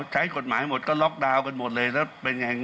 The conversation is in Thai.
ใช้กฎหมายหมดก็ล็อกดาวน์กันหมดเลย